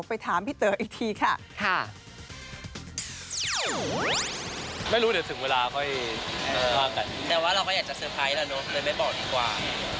ไปถามพี่เต๋ออีกทีค่ะค่ะค่ะ